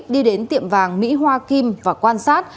đi đến tiệm vàng mỹ hoa kim và quan sát